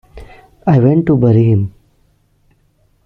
I went to bury him.